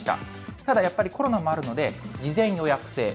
ただやっぱりコロナもあるので、事前予約制。